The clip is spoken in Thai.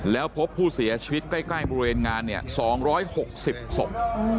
แล้วพบผู้เสียชีวิตใกล้ใกล้บริเวณงานเนี้ยสองร้อยหกสิบศพอืม